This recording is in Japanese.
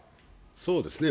そうですね。